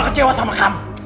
pak pak kecewa sama kamu